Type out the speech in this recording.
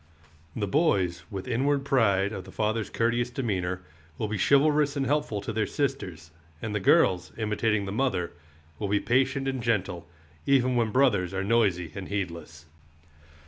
The boys, with inward pride of the father's courteous demeanor, will be chivalrous and helpful to their sisters; and the girls, imitating the mother, will be patient and gentle, even when brothers are noisy and heedless.